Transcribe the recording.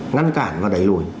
ngăn cản và đẩy lùi